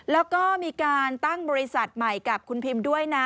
แล้วก็มีการตั้งบริษัทใหม่กับคุณพิมด้วยนะ